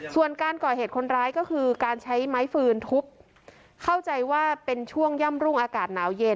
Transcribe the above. ส่วนการก่อเหตุคนร้ายก็คือการใช้ไม้ฟืนทุบเข้าใจว่าเป็นช่วงย่ำรุ่งอากาศหนาวเย็น